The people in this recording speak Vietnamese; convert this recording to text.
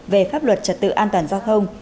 về pháp luật trật tự an toàn giao thông